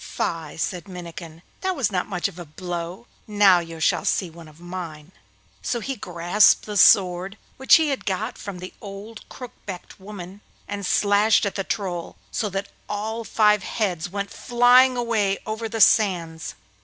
'Fie!' said Minnikin. 'That was not much of a blow. Now you shall see one of mine.' So he grasped the sword which he had got from the old crook backed woman, and slashed at the Troll so that all five heads went flying away over the sands.